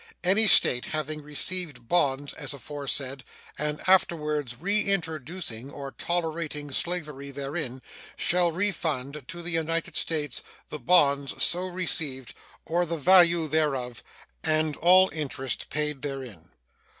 Any State having received bonds as aforesaid and afterwards reintroducing or tolerating slavery therein shall refund to the United States the bonds so received, or the value thereof, and all interest paid thereon.